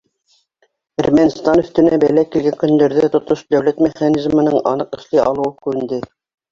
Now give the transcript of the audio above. Әрмәнстан өҫтөнә бәлә килгән көндәрҙә тотош дәүләт механизмының аныҡ эшләй алыуы күренде.